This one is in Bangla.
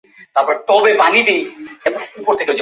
আমার ত্বক আমার কাছে অনেক মূল্যবান।